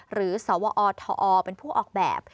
หรือสวอทอเป็นผู้ออกแบบ